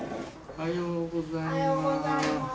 おはようございます。